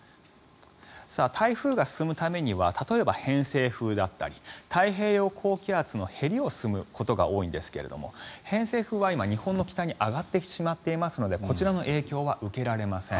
台風が進むためには例えば偏西風であったり太平洋高気圧のへりを進むことが多いんですが偏西風は今、日本の北に上がってしまっていますのでこちらの影響は受けられません。